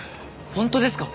本当ですか？